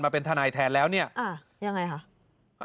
มาเป็นทนายแทนแล้วอ่ะยังไงหรอ